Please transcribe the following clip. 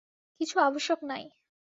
কিছু আবশ্যক নাই।